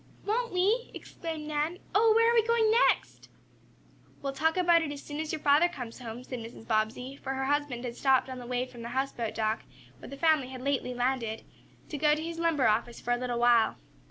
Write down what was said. "Won't we?" exclaimed Nan. "Oh, where are we going next?" "We'll talk about it as soon as your father comes home," said Mrs. Bobbsey, for her husband had stopped on the way from the houseboat dock, where the family had lately landed, to go to his lumber office for a little while.